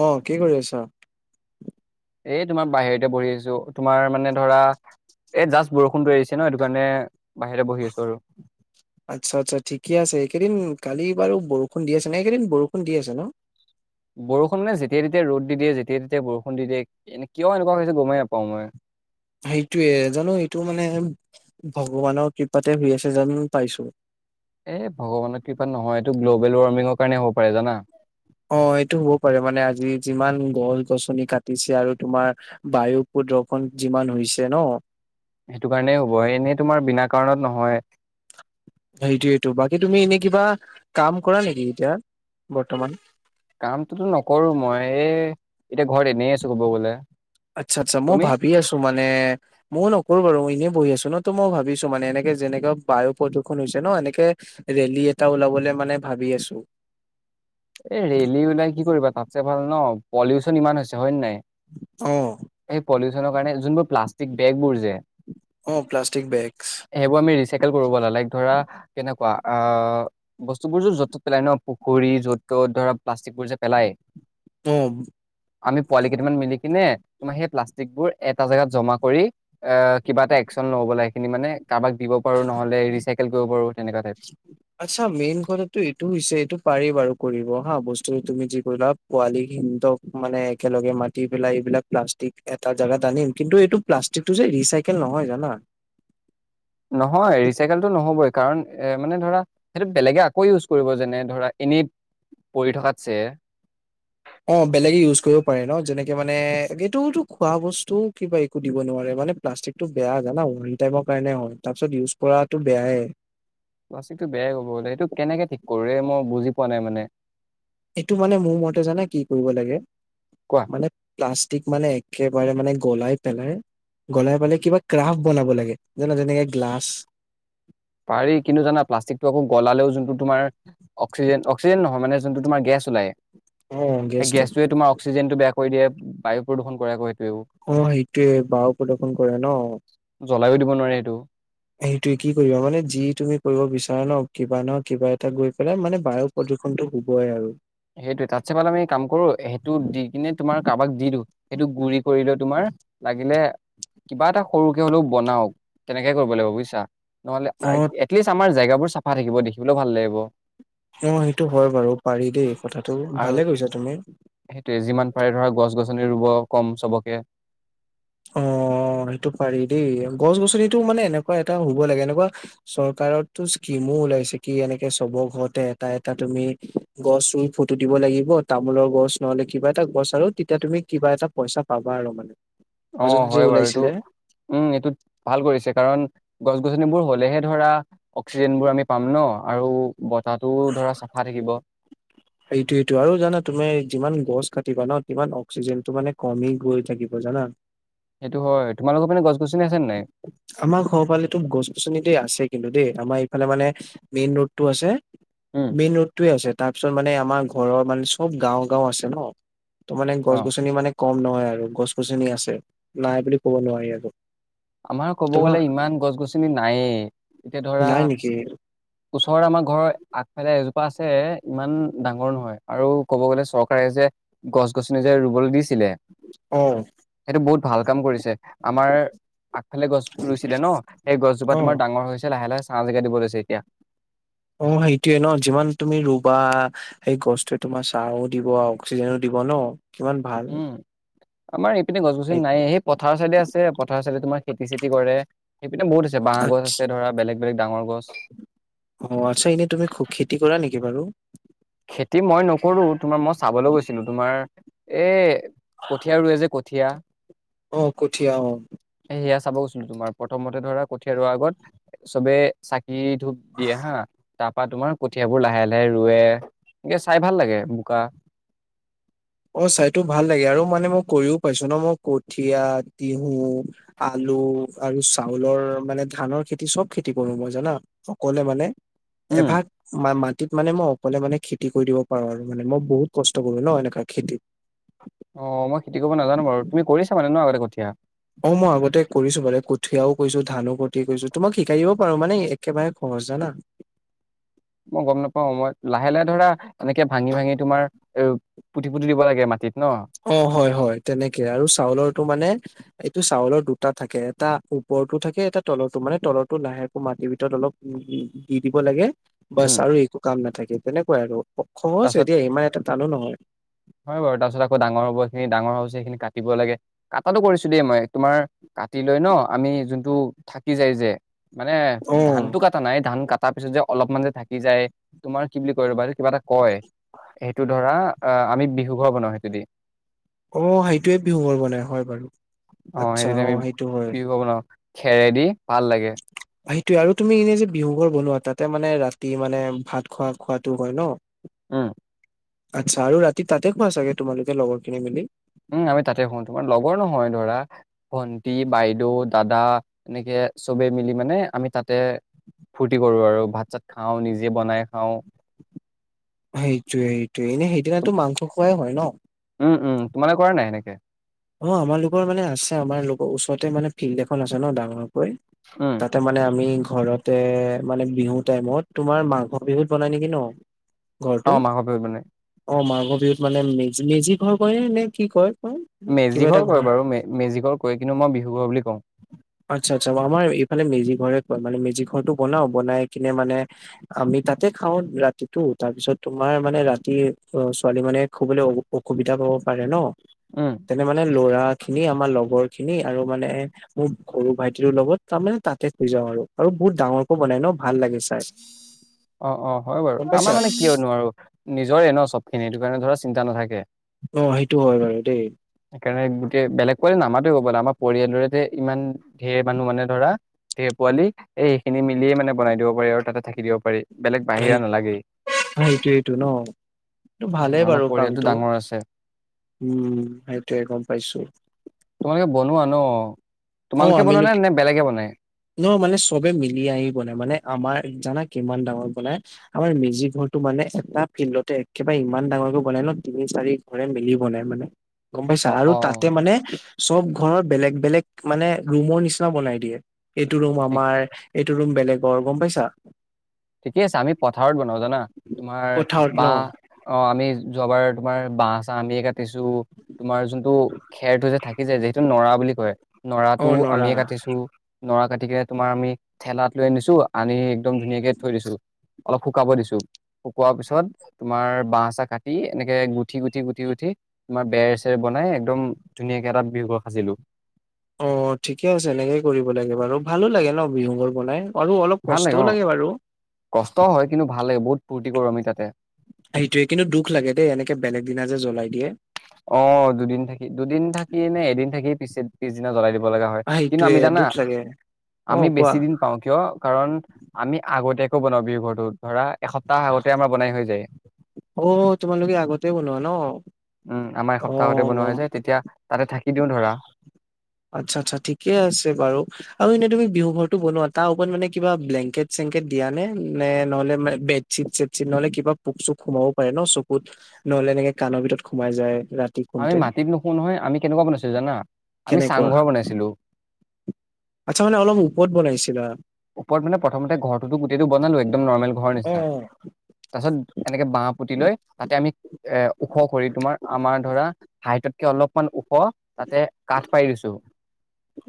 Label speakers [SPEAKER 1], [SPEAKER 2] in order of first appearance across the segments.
[SPEAKER 1] অ কি কৰি আছা?
[SPEAKER 2] এই তোমাৰ বাহিৰতে বহি আছো তোমাৰ মানে ধৰা এ জাষ্ট বৰষুণটো এৰিছে ন হেইটো কাৰণে বাহিৰতে বহি আছো আৰু
[SPEAKER 1] আচ্ছা আচ্ছা ঠিকে আছে এইকেইদিন কালি বাৰু বৰষুণ দি আছে নাইকেইদিন বৰষুণ দি আছে ন?
[SPEAKER 2] বৰষুণ মানে যেতিাই যেতিয়া ৰ'দ দি দিয়ে যেতিয়াই তেতিয়াই বৰষুণ দি দিয়ে এ কিয় এনেকুৱা হৈছে গমেই নাপাওঁ মই।
[SPEAKER 1] সেইটোয়ে জানো এইটো মানে ভগৱানৰ কৃপাতে শুই আছে যেন পাইছো।
[SPEAKER 2] এই ভগৱানৰ কৃপাত নহয় এইটো গ্ল'বেল ৱাৰ্মিঙৰ কাৰণে হ'ব পাৰে জানা?
[SPEAKER 1] অ এইটো হ'ব পাৰে মানে আজি যিমান গছ গছনি কাটিছে আৰু তোমাৰ বায়ু দ্ৰখন যিমান হৈছে ন
[SPEAKER 2] সেইটো কাৰণেই হ'ব এনেই তোমাৰ বিনা কাৰণত নহয়।
[SPEAKER 1] সেইটোয়েইটো বাকী তুমি এনে কিবা কাম কৰা নেকি এতিয়া বৰ্তমান?
[SPEAKER 2] কামটোতো নকৰো মই এই এতিয়া ঘৰত এনেই আছো ক'ব গলে।
[SPEAKER 1] আচ্ছা আচ্ছা মই
[SPEAKER 2] তুমি
[SPEAKER 1] ভাবি আছো মানে ময় নকৰো বাৰু এনে বহি আছো ন তো মই ভাবিছো মানে এনেকে যেনেকে বায়ু প্ৰদূষণ হৈছে ন এনেকে ৰেলী এটা ওলাবলৈ মানে ভাবি আছো।
[SPEAKER 2] এই ৰেলি ওলাই কি কৰিবা তাতছে ভাল ন পলিউচন ইমান হৈছে হয় নে নাই?
[SPEAKER 1] অ
[SPEAKER 2] এই পলিউচনৰ কাৰণে যোনবোৰ প্লাষ্টিক বেগবোৰ যে
[SPEAKER 1] অ প্লাষ্টিক বেগছ
[SPEAKER 2] সেইবোৰ আমি ৰিচাইকেল কৰিব লাগে লাইক ধৰা কেনেকুৱা? অ', বস্তুবোৰটো য'ত ত'ত পেলাই নহ। পুখুৰী য'ত ত'ত ধৰা প্লাষ্টিক বোৰ যে পেলাই
[SPEAKER 1] অ
[SPEAKER 2] আমি পোৱালি কেইটামান মিলি কিনে তোমাৰ সেই প্লাষ্টিক বোৰ এটা জেগাত জমা কৰি, আহ কিবা এটা এক্সন লও ব'লা সেইখিনি মানে কাবাক দিব পাৰো, নহলে ৰিচাইকেল কৰিব পাৰো। তেনেকুৱা টাইপ
[SPEAKER 1] আচ্ছা, মেইন কথাাটো এইটো হৈছে এইটো পাৰি বাৰু কৰিব হা, বস্তু তুমি যি কৰিলা পোৱালি [unintelligible] মানে একেলগে মাতি পেলাই এইবিলাক প্লাষ্ট ঠিক এটা জাগাত আনিম, কিন্তু এইটো প্লাষ্টিকটো যে ৰিচাইকেল নহয় জানা?
[SPEAKER 2] নহয়, ৰিচাইকেলটো নহ'বই কাৰণ এ মানে ধৰা, সেইটো বেলেগে আকৌ ইউজ কৰিব। যেনে, ধৰা এনে পঢ়ি থকাতছে
[SPEAKER 1] অ', বেলেগে ইউজ কৰিব পাৰে নহ? যেনেকে মানে, এইটোতো খোৱা বস্তু কিবা একো দিব নোৱাৰে। মানে প্লাষ্টিকটো বেয়া জানা? ৰিটাইমৰ কাৰণে হয়, তাৰ পিছত ইউজ কৰাটো বেয়ায়ে
[SPEAKER 2] প্লাষ্টিকটো বেয়াই ক'ব গলে, সেইটো কেনেকে ঠিক কৰো ৰে মই বুজি পোৱা নাই মানে
[SPEAKER 1] এইটো মানে মোৰ মতে জানা কি কৰিব লাগে,
[SPEAKER 2] কোৱা
[SPEAKER 1] মানে প্লাষ্টিক মানে একেবাৰে মানে গলাই পেলাই গলাই পেলাই কিবা ক্ৰাফ বনাব লাগে, জানা যেনেকে গ্লাছ
[SPEAKER 2] পাৰি, কিন্তু জানা প্লাষ্টিকটো আকৌ গলালেও যোনটো তোমাৰ অক্সিজেন-অক্সিজেন নহয় মানে যোনটো তোমাৰ গেছ ওলায়
[SPEAKER 1] অ
[SPEAKER 2] সেই
[SPEAKER 1] গেছটো
[SPEAKER 2] গেছটোৱে তোমাৰ অক্সিজেনটো বেয়া কৰি দিয়ে, বায়ু প্ৰদূষণ কৰাকৈ
[SPEAKER 1] অ', সেইটোৱে বায়ু প্ৰদূষন কৰে নহ?
[SPEAKER 2] জ্বলাইও দিব নোৱাৰে সেইটো
[SPEAKER 1] সেইটোৱে কি কৰিবা মানে যি তুমি কৰিব বিচাৰা নহ, কিবা ন' কিবা এটা গৈ পেলাই মানে বায়ু প্ৰদূষণটো হব আৰু
[SPEAKER 2] সেইটোৱে তাতছে ভাল আমি কাম কৰো সেইটো দি কিনে তোমাৰ কাৰোবাক দি দিওঁ সেইটো গুৰি কৰিলে তোমাৰ লাগে [unintelligible] কিবা এটা সৰুকে হ'লেও বনাওঁক, তেনেকে কৰিব লাগিব বুজিছা? ন'হলে আ-আ
[SPEAKER 1] অ
[SPEAKER 2] এটলিষ্ট আমাৰ জেগাবোৰ চাফা থাকিব, দেখিবলৈও ভাল লাগিব।
[SPEAKER 1] অ', সেইটো হয় বাৰু, পাৰি দেই কথাটো
[SPEAKER 2] আৰু
[SPEAKER 1] ভালে ভাবিছা তুমি।
[SPEAKER 2] সেইটোৱে যিমান পাৰে [unintelligible] ৰুব কম চবকে।
[SPEAKER 1] অ'। অ', সেইটো পাৰি দেই গছ-গছনিটো মানে এনেকুৱা এটা হ'ব লাগে, এনেকুৱা চৰকাৰৰটো স্কিম [unintelligible] ওলাইছে কি এনেকে চবৰ ঘৰতে এটা এটা তুমি গছ ৰুই ফটো দিব লাগিব তামোলৰ গছ নহলে কিবা এটা গছ আৰু তেতিয়া তুমি কিবা এটা পইচা পাবা আৰু মানে।
[SPEAKER 2] অ',
[SPEAKER 1] মাজত
[SPEAKER 2] অ',
[SPEAKER 1] যে
[SPEAKER 2] হয় বাৰু এইটো।
[SPEAKER 1] ওলাইছিলে
[SPEAKER 2] উম, এইটো ভাল কৰিছে কাৰণ গছ-গছনিবোৰ হ'লেহে ধৰা অক্সিজেনবোৰ আমি পাম নহ, আৰু বতাহটোও ধৰা চাফা থাকিব।
[SPEAKER 1] এইটোৱেতো, আৰু জানা তুমি যিমান গছ কাটিবা নহ সিমান অক্সিজেনটো মানে কমি গৈ থাকিব জানা?
[SPEAKER 2] সেইটো হয়, তোমালোকৰ মানে গছ-গছনি আছে নে নাই?
[SPEAKER 1] আমাৰ ঘৰৰ ফালেতো গছ-গছনিতো আছে কিন্তু দেই, আমাৰ ফালে মানে, মেইন ৰোডটো আছে।
[SPEAKER 2] উম,
[SPEAKER 1] মেইন ৰোডটোৱে আছে। তাৰপিছত মানে, আমাৰ ঘৰৰ মানে চব গাওঁ-গাওঁ আছে নহ? ত' মানে গছ
[SPEAKER 2] অ',
[SPEAKER 1] গছনি মানে কম নহয়, আৰু গছ-গছনি আছে। নাই বুলি ক'ব নোৱাৰি আৰু।
[SPEAKER 2] আমাৰ ক'ব
[SPEAKER 1] তোমাৰ
[SPEAKER 2] গ'লে ইমান গছ-গছনি নায়েই, এতিয়া ধৰা
[SPEAKER 1] নাই নেকি
[SPEAKER 2] ওচৰৰ আমাৰ ঘৰৰ আগফালে এজোপ এ ইমান ডাঙৰ নহয়, আৰু ক'ব গ'লে চৰকাৰে যে গছ-গছনি যে ৰুবলৈ দিছে [unintelligible]
[SPEAKER 1] অ
[SPEAKER 2] সেইটো বহুত ভাল কাম কৰিছে, আমাৰ আগফালে গছ ৰুইছিলে নহ, সেই গছজোপা
[SPEAKER 1] অ
[SPEAKER 2] তোমাৰ ডাঙৰ হৈছে। লাহে-লাহে ছাহ জেগা দিব লৈছে এতিয়া।
[SPEAKER 1] অ', সেইটোয়ে নহ? যিমান তুমি ৰুবা সেই গছটোৱে তোমাৰ চাও দিব, অক্সিজেনো দিব। [unintelligible] কিমান ভাল
[SPEAKER 2] উম, আমাৰ এই সিপিনে গছ-গছনি নায়েই, সেই পথাৰ চাইদে আছে। পথাৰ চাইদে, তোমাৰ খেতি-চেতি কৰে। সেইপিনে বহুত আছে, বাহ গছ
[SPEAKER 1] আচ্ছা
[SPEAKER 2] আছে ধৰা বেলেগ-বেলেগ ডাঙৰ গছ
[SPEAKER 1] অ', আচ্ছা এনেই তুমি খ-খেতি কৰা নেকি বাৰু?
[SPEAKER 2] খেতি মই নকৰো তোমাৰ মই চাবলৈ গৈছিলো তোমাৰ এ, কঠীয়া ৰোৱে যে কঠীয়া
[SPEAKER 1] অ কঠীয়া অ
[SPEAKER 2] সেয়া চাব গৈছিলোঁ তোমাৰ। প্ৰথমতে ধৰা কঠিয়া ৰুৱা আগত চবে চা কি ধূপ দিয়ে হা, তাৰপৰা তোমাৰ কঠিয়াবোৰ লাহে লাহে ৰুৱে। এনেকে চাই ভাল লাগে বোকা।
[SPEAKER 1] অ' চাইতো ভাল লাগে আৰু মানে মই কৰিও পাইছোঁ ন', মই কঠীয়া, তিহু, আলু আৰু চাউলৰ মানে ধানৰ খেতি চব খেতি কৰোঁ মই জানা। সকলোৱে মানে
[SPEAKER 2] উম
[SPEAKER 1] এভাগ মা-মাত তিত মানে মই অকলে মানে খেতি কৰি দিব পাৰোঁ আৰু মানে মই বহুত কষ্ট কৰো ন' এনেকা খেতি
[SPEAKER 2] অ' মই খেতি কৰিব নাজানো বাৰু, তুমি কৰিছা মানে ন' আগতে কঠীয়া?
[SPEAKER 1] অ' মই আগতে কৰিছোঁ মানে কঠিয়াও কৰিছো, ধানো খেতি কৰিছো, তোমাক শিকাই দিব পাৰো মানে একেবাৰে স হচ জানা?
[SPEAKER 2] মই গম নাপাও, মই লাহে লাহে ধৰা এনেকে ভাঙি ভাঙি তোমাৰ এ, পুতি পুতি দিব লাগে মাটিত। ন
[SPEAKER 1] অ' হয় হয় তেনেকে আৰু চাউলৰটো মানে টো চাউলৰ দুটা থাকে এটা ওপৰৰটো থাকে এটা তলৰটো, মানে তলৰটো লাহেকে মাটিৰ ভিতৰত অলপ উ দি দিব লাগে। বাছ
[SPEAKER 2] উম
[SPEAKER 1] আৰু একো কাম নাথাকে তেনেকুৱাই আৰু। সহজ
[SPEAKER 2] তাৰপাছত
[SPEAKER 1] এতিয়া ইমান এটা টানো নহয়।
[SPEAKER 2] হয় বাৰু, তাৰপিছত আকৌ ডাঙৰ হ'ব এইখিনি ডাঙৰ হ'ব, সেইখিনি কাটিব লাগে, কাটাটো কৰিছিলোঁ মই তোমাৰ কাটি লৈ ন' আমি যোনটো থাকি যায় যে মানে
[SPEAKER 1] অ'
[SPEAKER 2] ধানটো কাটা নাই ধান কা তাৰপিছত যে অলপমান যে থাকি যায়, তোমাৰ কি বুলি কয় ৰবা কিবা এটা কয় সেইটো ধৰা আ, আমি বিহু ঘৰ বনাওঁ সেইটোদি।
[SPEAKER 1] অ' সেইটোৱে বিহু ঘৰ বনাই, হয় বাৰু
[SPEAKER 2] অ সেইটো
[SPEAKER 1] আচ্ছা
[SPEAKER 2] দি আমি
[SPEAKER 1] অ' সেইটো হয়।
[SPEAKER 2] বিহু ঘৰ বনাও খেৰেদি ভাল লাগে।
[SPEAKER 1] সেইটোয়ে আৰু তুমি এনেই যে বিহু ঘৰ বনোৱা তাতে মানে ৰাতি মানে ভাত খোৱা খোৱাটো হয় ন'।
[SPEAKER 2] উ।
[SPEAKER 1] আচ্ছা আৰু ৰাতি তাতে শুৱা চাগে তোমালোকে লগৰখিনি মিলি।
[SPEAKER 2] উম, আমি তাতে শুওঁ, তোমাৰ লগৰ নহয় ধৰা ভন্টি, বাইদেউ, দাদা এনেকে চবে মিলি মানে আমি তাতে ফূৰ্তি কৰোঁ আৰু। ভাত চাত খাওঁ, নিজে বনাই খাওঁ।
[SPEAKER 1] সেইটোয়ে সেইটোে এনে সেইদিনাতো
[SPEAKER 2] তুম-
[SPEAKER 1] মাংস খোৱাই হয় ন'।
[SPEAKER 2] উম, উম, তোমালোকে কৰা নাই সেনেকে?
[SPEAKER 1] অ' আমাৰলোকৰ মানে আছে, আমালোকৰ ওচৰতে মানে ফিল্ড এখন আছে ন' ডাঙৰ। গৈ
[SPEAKER 2] উম,
[SPEAKER 1] তাতে মানে আমি ঘৰতে মানে বিহুৰ টাইমত তোমাৰ মাংস বিহুত বনাই নেকি ন'? ঘৰটো।
[SPEAKER 2] অ', মাঘৰ বিহুত মানে
[SPEAKER 1] অ' মাঘ বিহুত মানে মেজ-মেজিৰ ঘৰ কনে নে কি কয় এইটো?
[SPEAKER 2] মেজি ঘৰ কয় বাৰু মে-মেজি ঘৰ কয় কিন্তু মই বিহু ঘৰ বুলি ক
[SPEAKER 1] আচ্ছা আচ্ছা। আমাৰ এইফালে মেজিক ঘৰে কয় মানে মেজি ঘৰটো বনাও বনাই কিনে মানে আমি তাতে খাওঁ ৰাতিটো তাৰপিছত তোমাৰ মানে ৰাতি অ' ছোৱালী মানে খুবলৈ অ-অসুবিধা পাব পাৰে ন'।
[SPEAKER 2] উম,
[SPEAKER 1] তেনে মানে ল'ৰাখিনি আমাৰ লগৰখিনি আৰু মানে মোৰ সৰু ভাইটিৰ লগত তাৰমানে তাতে শুই যাওঁ আৰু আৰু বহুত ডাঙৰকৈ বনাই ন' ভাল লাগে চাই।
[SPEAKER 2] অ', অ' হয় বাৰু।
[SPEAKER 1] গম
[SPEAKER 2] আমাৰ
[SPEAKER 1] পাইছা
[SPEAKER 2] মানে কিয় নোৱাৰোঁ, নিজৰে ন' চবখিনি এইটো কাৰণে ধৰা চিন্তা নাথাকে।
[SPEAKER 1] অ সেইটো হয় বাৰু দেই
[SPEAKER 2] সেইকাৰণে গোটেই বেলেগ কৈ নামাত ব আমাৰ পৰিয়ালটোৰে ইমান ঢেৰ মানুহ মানে ধৰা ঢেৰ পোৱালি এই সেইখিনি মিলিয়ে মানে মে বনাই দিব পাৰি আৰু ততে থাকি দিব পাৰি। বেলেগ বাহিৰা নালাগেই।
[SPEAKER 1] সেইটোয়েইটো ন'
[SPEAKER 2] উম
[SPEAKER 1] ভালেই
[SPEAKER 2] আমাৰ
[SPEAKER 1] বাৰু
[SPEAKER 2] পৰিয়ালটো
[SPEAKER 1] কামটো।
[SPEAKER 2] ডাঙৰ আছে
[SPEAKER 1] উম, সেইটোৱে গম পাইছোঁ।
[SPEAKER 2] তোমালোকে বনোৱা ন'?
[SPEAKER 1] অ'
[SPEAKER 2] তোমালোকে
[SPEAKER 1] আমিল
[SPEAKER 2] বনোৱা নে নে বেলেগে বনাই?
[SPEAKER 1] ন' মানে চবে মিলি আহি বনাই মানে আমাৰ জানা কিমান ডাঙৰ বনাই। আমাৰ মেজিক ঘৰটো মানে এটা ফিল্ডতে একেবাৰে ইমান ডাঙৰকে বনাই ন' তিনি চাৰি ঘৰে মিলি বনাই মানে। গম পাইছা?
[SPEAKER 2] অ
[SPEAKER 1] আৰু তাতে
[SPEAKER 2] অ
[SPEAKER 1] মানে চব ঘৰ বেলেগ বেলেগ মানে ৰুমৰ নিচিনা বনাই দিয়ে। এইটো ৰুম আমাৰ, এইটো ৰুম বেলেগৰ গম পাইছা?
[SPEAKER 2] ঠিকেই আছে আমি পথাৰত বনাওঁ জানা তোমাৰ
[SPEAKER 1] পথাৰত ন
[SPEAKER 2] বাহ অ' আমি। যোৱাবাৰ তোমাৰ বাঁহ চাহ আমিয়ে কাটি কাটিছো তোমাৰ যোনটো খেৰটো যে থাকি যায় যিহেতু নৰা বুলি কয়
[SPEAKER 1] অ
[SPEAKER 2] নৰাটো
[SPEAKER 1] নৰা
[SPEAKER 2] আমিয়ে কাটিছো। নৰা কাটি কিনে তোমাৰ আমি ঠেলাত লৈ আনিছো আনি। ধুনীয়াকে থৈ দিছো, অলপ শুকাব দিছো। শুকোৱাৰ পিছত তোমাৰ বাঁহ চাহ কাটি এনেকে গুঠি গুঠি গুঠি গুঠি তোমাৰ বেৰ চেৰ বনা নাই একদম ধুনীয়াকে এটা বিহুৰ ঘৰৰ সাজিলো।
[SPEAKER 1] অ ঠিকে আছে এনেকে কৰিব লাগে বাৰু ভালো লাগে ন বিহু ঘৰ বনাই আৰু অলপ
[SPEAKER 2] ভাল
[SPEAKER 1] কষ্টও
[SPEAKER 2] অ
[SPEAKER 1] লাগে বাৰু।
[SPEAKER 2] কষ্ট হয় কিন্তু ভাল লাগে বহুত ফূৰ্তি কৰো আমি তাতে
[SPEAKER 1] সেইটোয়ে কিন্তু দুখ লাগে দেই এনেকে বেলেগ দিনা যে জ্বলাই দিয়ে।
[SPEAKER 2] অ' দুদিন থাকি দুদিন থাকি নে এদিন থাকি পিছে পিছদিনা জ্বলাই দিব। ল'ব লগা হয়, কিন্তু
[SPEAKER 1] সেইটোয়ে
[SPEAKER 2] আমি জানা।
[SPEAKER 1] দুখ লাগে অ
[SPEAKER 2] আমি
[SPEAKER 1] কোৱা
[SPEAKER 2] বেছি দিন পাওঁ। কিয় কাৰণ আমি আগতীয়াকো ব'হাগ বিহু পাতো। ধৰা এসপ্তাহ আগতে আমাৰ বনাই হৈ যায়।
[SPEAKER 1] অ', তোমালোকে আগতে বনোৱা ন?
[SPEAKER 2] উম, আমাৰ এ সপ্তাহতে
[SPEAKER 1] অ',
[SPEAKER 2] বনোৱা
[SPEAKER 1] গম
[SPEAKER 2] হৈ যায়, তেতিয়া তাতে থাকি দিওঁ ধৰা
[SPEAKER 1] আচ্ছা, আচছা, ঠিকে আছে বাৰু আৰু এনেই তুমি বিহু ঘৰ বনোৱা তাৰ ওপৰত মানে কিবা বিলেংকেত চিলেংকেত দিয়া নে নে নহ'লে বেডচিট নহ'লে কিবা। পোক চোক সোমাবও পাৰে ন চকুত নহ'লে এনেকে কাণৰ ভিতৰত সোমাই যায়। ৰাতি
[SPEAKER 2] আমি
[SPEAKER 1] শুওঁতে
[SPEAKER 2] মাটিত নুশো নহয় আমি কেনেকুৱা বনাইছোঁ। জানা আমি
[SPEAKER 1] কেনেকুৱা?
[SPEAKER 2] চাংঘৰ বনাইছিলোঁ।
[SPEAKER 1] আচ্ছা মানে অলপ ওপৰত বনাইছিলা
[SPEAKER 2] ওপৰত মানে প্ৰথমতে ঘৰটোতো গোটেইটো বনালো একদম নৰ্মেল ঘৰৰ নিচিনা।
[SPEAKER 1] অ',
[SPEAKER 2] তাৰ পিছত এনেকে বাঁহ পুতি লৈ তাতে আমি। এ ওখ কৰি তোমাৰ আমাৰ ধৰা হাইটতকে অলপমান ওখ। তাতে কাঠ পাৰি দিছো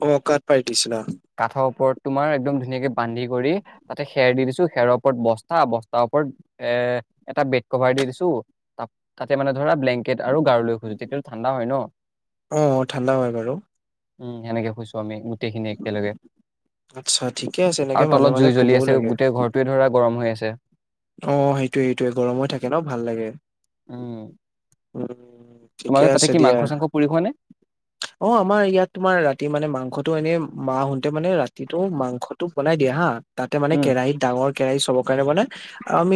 [SPEAKER 1] অ', গাত পাৰি দিছিলা
[SPEAKER 2] কাঠৰ ওপৰত তোমাৰ একদম। ধুনীয়াকে বান্ধি কৰি তাতে খেৰ দি দিছো খেৰৰ ওপৰত বস্তা বস্তাৰ ওপৰত এ এটা বে দ কভাৰ দি দিছো, তাতে মানে ধৰা ব্লেংকেট আৰু গাৰু লৈ খোজো তেতিয়লে ঠাণ্ডা হয় ন।
[SPEAKER 1] অ' ঠাণ্ডা হয় বাৰু।
[SPEAKER 2] উম, সেনেকে শুইছো আমি গোটেইখিনি একেলগে।
[SPEAKER 1] আচ্ছা ঠিকে আছে এনেকে
[SPEAKER 2] আৰু
[SPEAKER 1] মাজে
[SPEAKER 2] তলত
[SPEAKER 1] মাজে
[SPEAKER 2] জুই জ্বলি
[SPEAKER 1] শুবও
[SPEAKER 2] আছে,
[SPEAKER 1] লাগে
[SPEAKER 2] গোটেই ঘৰটোৱে ধৰা গৰম হৈ আছে।
[SPEAKER 1] অ' সেইটোৱে সেইটোৱে গৰমো থাকে ন ভাল লাগে।
[SPEAKER 2] উম।
[SPEAKER 1] উম, ঠিকে
[SPEAKER 2] তোমালোকে তাতে
[SPEAKER 1] আছে
[SPEAKER 2] কি
[SPEAKER 1] দিয়া।
[SPEAKER 2] মাংস চাংস পুৰি খোৱানে।
[SPEAKER 1] অ' আমাৰ ইয়াত তোমাৰ ৰাতি মানে মাংসটো এনেই। মাহতে মানে ৰাতিটো মাংসটো বনাই দিয়ে হা। তাতে মানে
[SPEAKER 2] উম
[SPEAKER 1] কেৰাহীত ডাঙৰ কেৰাহী চবৰ কাৰণে মানে।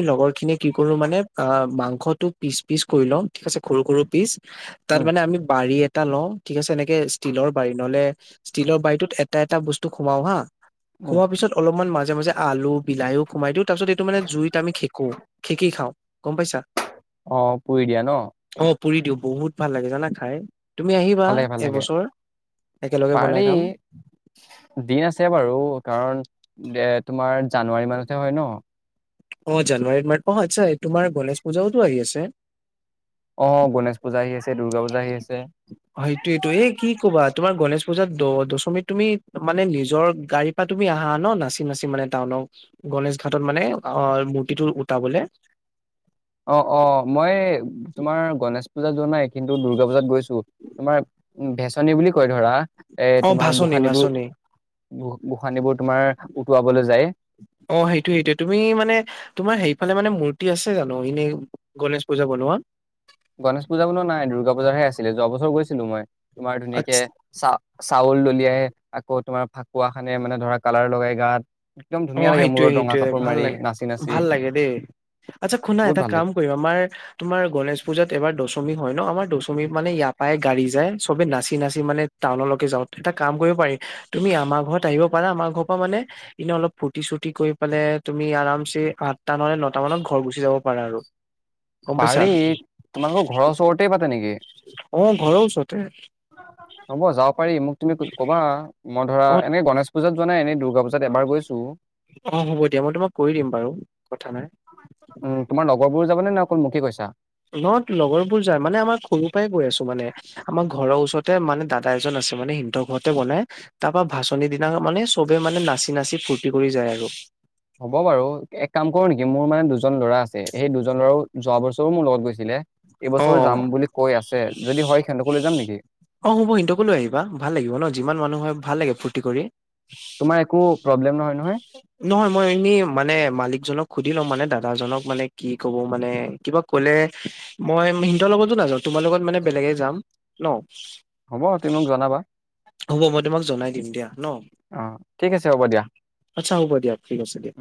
[SPEAKER 1] লগৰ খিনিয়ে কি কৰো মানে অ' মাংসতটো পিচ পিচ কৰি লম ঠিক আছে সৰু সৰু পিচ। তাৰ
[SPEAKER 2] উম
[SPEAKER 1] মানে আমি বাড়িয়ে। এটা লওঁ, ঠিক আছে এনেকে ষ্টীলৰ বাৰী নহ'লে ষ্টীলৰ বাৰীতোত এটা এটা বস্তু সোমাও হা।
[SPEAKER 2] উম
[SPEAKER 1] খোৱাৰ পিছত অলপমান মাজে মাজে আলু বিলাহীও খোমাই দিওঁ। তাৰপিছত এইটো মানে জুইত খেকো খেকি খাওঁ গ'ম পাইছা।
[SPEAKER 2] অ' পুৰি দিয়া ন।
[SPEAKER 1] অ পুৰি দিওঁ বহুত ভাল লাগে জানা খাই তুমি আহিবা
[SPEAKER 2] ভাল লাগে ভাল লাগে
[SPEAKER 1] এবছৰ। একেলগে বনাই
[SPEAKER 2] পাৰি
[SPEAKER 1] খাম
[SPEAKER 2] দিন আছে বাৰু কাৰণ। এ তোমাৰ জানুৱাৰী মানতহে হয় ন।
[SPEAKER 1] অ' জানুৱাৰীত মাৰ অ' আচ্ছা তোমাৰ গণেশ পূজাতো আহি আছে।
[SPEAKER 2] অ' গণেশ পূজা আহি আছে দুৰ্গা পূজা আহি আছে।
[SPEAKER 1] সেটোয়টো এ কি কবা তোমাৰ গণেশ পূজাত দ দশমিত তুমি মানে নিজৰ গাড়ীৰ পৰা তুমি আহা ন নাচি নাচি মানে টাউনক। গনেেশ ঘাটত মানে অ' মূৰ্তিটো উটাবলৈ।
[SPEAKER 2] অ' অ' মই তোমাৰ গণেশ পূজা যোৱা নাই। কিন্তু দুূৰ্গা পূজাত গৈছো। তোমাৰ ভেচনী বুলি কয় ধৰা এ
[SPEAKER 1] অ
[SPEAKER 2] তোমাৰ
[SPEAKER 1] ভাচনি
[SPEAKER 2] গোসানীবোৰ।
[SPEAKER 1] ভাচনি
[SPEAKER 2] গোঁসানিবোৰ তোমাৰ উটুৱাবলৈ যায়।
[SPEAKER 1] অ, সেইটোয়, সেইটোয়ে তুমি মানে তোমাৰ সেইফালে মানে মূৰ্তি আছে জানো এনেই গণেশ পূজা ব [inaudible]
[SPEAKER 2] গণেশ পূজা বোলো নাই, দ, দুৰ্গা পূজা হে আছিলে, যোৱা বছৰ গৈছিলো মই তোমাৰ ধুনীয়াকে
[SPEAKER 1] আচ্ছা
[SPEAKER 2] চা চাউল দলিয়াই আকৌ তোমাৰ ফাকুৱা খানে মানে ধৰা কালাৰ লগাই গাত একদম
[SPEAKER 1] অ,
[SPEAKER 2] ধুনীয়া লাগে
[SPEAKER 1] সেইটয়ে,
[SPEAKER 2] মূৰত ৰঙা
[SPEAKER 1] সেইটয়ে
[SPEAKER 2] কাপোৰ
[SPEAKER 1] ভাল
[SPEAKER 2] মাৰি
[SPEAKER 1] লাগে,
[SPEAKER 2] নাচি নাচি
[SPEAKER 1] ভাল লাগে দেই। আচ্ছা শুনা
[SPEAKER 2] বহুত
[SPEAKER 1] এটা
[SPEAKER 2] ভাল লাগে
[SPEAKER 1] কাম কৰিম আমাৰ তোমাৰ গণেশ পুজাত এবাৰ দশমী হয় ন, আমাৰ দশমী মানে ইয়াৰ পৰাই গাড়ী চবে, নাচি, নাচি মানে টাউনলৈকে যাও এটা কাম কৰিব পাৰি তুমি আমাৰ ঘৰত আহিব পাৰা, আমাৰ ঘৰ পৰা মানে এনে অলপ ফূ্তি, চূৰ্তি কৰি পেলাই তুমি আৰাম চ নহলে নটা মানত ঘৰ গুচি যাব পাৰো আৰু। গম পাইছা
[SPEAKER 2] পাৰি তোমালোকৰ ঘৰৰ ওচৰতে পা নেকি।
[SPEAKER 1] অ ঘৰৰ ওচৰতে
[SPEAKER 2] হ'ব যাব পাৰি মোক তুমি ক'বা মই ধৰা
[SPEAKER 1] অ
[SPEAKER 2] এনেক গণেশ পূজাত যোৱা নাই, এনেই দ
[SPEAKER 1] অ, হ'ব দিয়া মই তোমাক কৰি দিম বাৰু কথা নাই।
[SPEAKER 2] উম, তোমাৰ লগৰ বোৰো যাব নে, ন, অকল মুখে কৈছা।
[SPEAKER 1] ন, লগৰবোৰ যায় মানে আমাৰ সৰুৰ পৰাই গৈ আছো মানে আমাৰ ঘৰৰ ওচ তে মানে দাদা এজন আছে মানে সিহৰ ঘৰতে বনাই তাৰ পৰা ভাচনিৰ দিনা মানে, চবে মানে নাচি, নাচি ফূুৰ্তি কৰি যায় আৰু।
[SPEAKER 2] হ'ব বাৰু এক কাম কৰো নেকি মোৰ মানে দুজন ল'ৰা আছে, সেই দুজন ল'ৰাও যোৱা বছৰো মোৰ লগত গৈছিলে।
[SPEAKER 1] অ
[SPEAKER 2] এইবছৰো যাম বুলি কৈ আছে যদি হয় সিহঁতকো লৈ যাম নেকি।
[SPEAKER 1] অ, হ'ব সিহতকো লৈ আহিবা ভাল লাগিব ন, যিমান মানুহ হয় ভাল লাগে, ফূৰ্তি কৰি
[SPEAKER 2] তোমাৰ একো প্ৰব্লেম নহয়, নহয়?
[SPEAKER 1] নহয় মই এনেই মানে মালিক জনক সুধি লম মানে দাদাজনক মানে কি ক'ব মানে কিবা কলে মই সিহঁতৰ লগতো নাযাওঁ তোমাৰ লগত মানে বেলেগে যাম ন?
[SPEAKER 2] হ'ব তুমি মোক জনাবা।
[SPEAKER 1] হ'ব মই তোমাক জনাই দিম দিয়া। ন,
[SPEAKER 2] অ' ঠিক আছে হ'ব দিয়া।
[SPEAKER 1] আচ্ছা হ'ব দিয়া ঠিক আছে দিয়া।